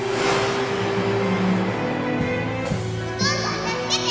お父さん助けて！